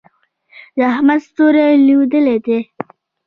د احمد ستوری لوېدلی دی.